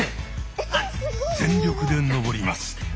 全力で登ります。